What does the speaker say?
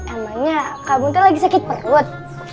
emangnya kamu tuh lagi sakit perut